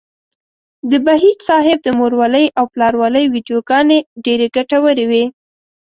د بهيج صاحب د مورولۍ او پلارولۍ ويډيوګانې ډېرې ګټورې وې.